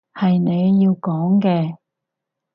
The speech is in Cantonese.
係你要講嘅